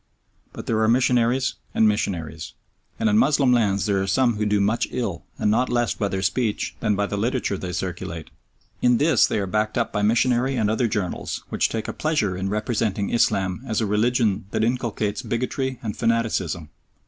But there are missionaries and missionaries; and in Moslem lands there are some who do much ill, and not less by their speech than by the literature they circulate. In this they are backed up by missionary and other journals, which take a pleasure in representing Islam as a religion that inculcates bigotry and fanaticism.